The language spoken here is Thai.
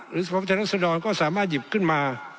หรือสภาพชนักสมดรณ์ก็สามารถหยิบขึ้นมา